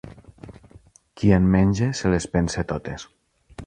Qui en menja se les pensa totes.